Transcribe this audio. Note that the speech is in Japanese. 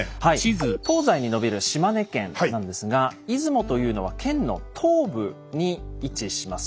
東西に延びる島根県なんですが出雲というのは県の東部に位置します。